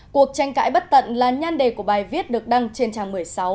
cuộc tranh cãi bất tận là nhan đề của bài viết được đăng trên trang một mươi sáu